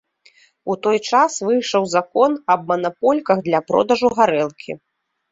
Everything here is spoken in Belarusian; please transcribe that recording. У той час выйшаў закон аб манапольках для продажу гарэлкі.